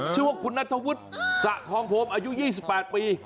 ชื่อว่าคุณนัทธวุฒิสะทองพรมอายุ๒๘ปี